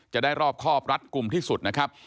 จะได้รอบครอบรัดกลุ่มที่สุดนะครับ